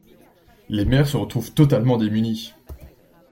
Les maires se retrouvent totalement démunis.